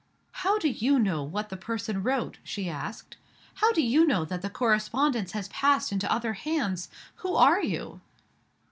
"How do you know what the person wrote?" she asked. "How do you know that the correspondence has passed into other hands? Who are you?"